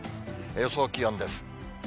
予想気温です。